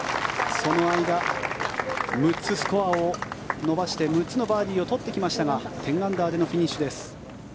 その間、６つスコアを伸ばして６つのバーディーを取ってきましたが１０アンダーでのフィニッシュです。